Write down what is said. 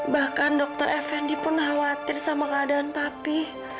bahkan dokter effendi pun khawatir sama keadaan papi